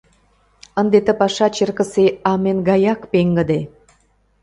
Ынде ты паша черкысе амен гаяк пеҥгыде!